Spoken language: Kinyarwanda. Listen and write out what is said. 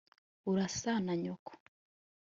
urasa na nyoko